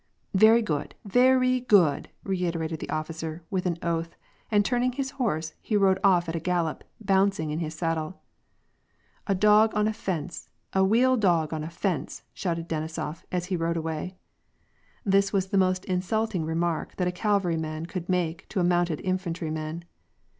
" Very good, very good," reiterated the officer, with an oath, and turning his horse, he rode off at a gallop, bouncing in his saddle. " A dog on a fence, a weal dog on a fence," shouted Deni sof, as he rode away. This was the most insulting remark that a cavalryman could make to a mounted infantry man.